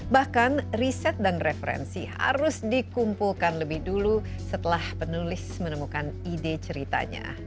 bahkan riset dan referensi harus dikumpulkan lebih dulu setelah penulis menemukan ide ceritanya